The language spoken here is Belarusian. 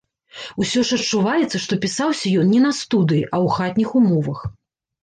Усё ж адчуваецца, што пісаўся ён не на студыі, а ў хатніх умовах.